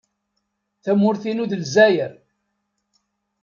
Tamurt-inu d Lezzayer.